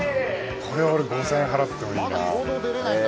これは俺５，０００円払ってもいいなぁ。